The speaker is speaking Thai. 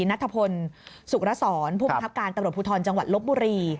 นัทธพูนศึกระสอนพศหุทรจลบบุรี